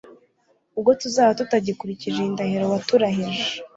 ubwo tuzaba tutagikurikije iyi ndahiro waturahije